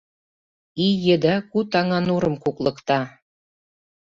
Ий еда куд аҥа нурым куклыкта.